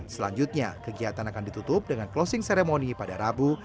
selanjutnya kegiatan akan ditutup dengan closing ceremony pada rabu